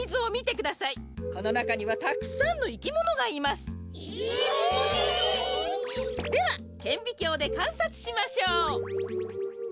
このなかにはたくさんのいきものがいます。えっ！？ではけんびきょうでかんさつしましょう。